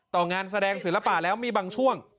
งานแสดงศิลปะแล้วมีบางช่วง